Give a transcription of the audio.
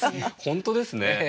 本当ですね。